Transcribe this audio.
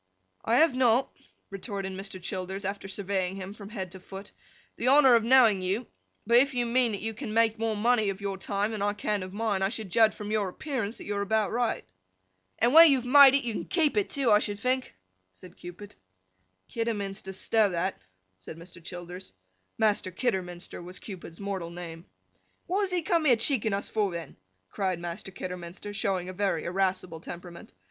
'I have not,' retorted Mr. Childers, after surveying him from head to foot, 'the honour of knowing you,—but if you mean that you can make more money of your time than I can of mine, I should judge from your appearance, that you are about right.' 'And when you have made it, you can keep it too, I should think,' said Cupid. 'Kidderminster, stow that!' said Mr. Childers. (Master Kidderminster was Cupid's mortal name.) 'What does he come here cheeking us for, then?' cried Master Kidderminster, showing a very irascible temperament.